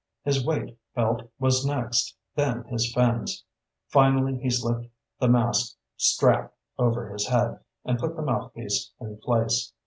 His weight belt was next, then his fins. Finally he slipped the mask strap over his head, and put the mouthpiece in place.